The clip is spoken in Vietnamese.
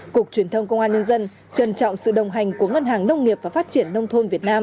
cục truyền thông công an nhân dân trân trọng sự đồng hành của ngân hàng nông nghiệp và phát triển nông thôn việt nam